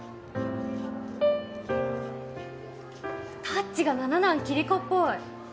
タッチが魚喃キリコっぽい。